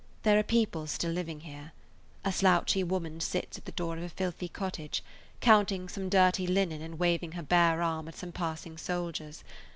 There are people still living here. A slouchy woman sits at the door of a filthy cottage, counting some dirty linen and waving her bare arm at some passing soldiers.